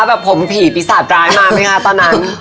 แบบผมผีปีศาจร้ายมาไหมคะตอนนั้น